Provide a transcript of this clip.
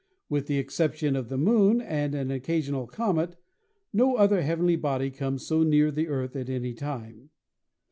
With the exception of the Moon and an occasional comet no other heavenly body comes so near the Earth at any time.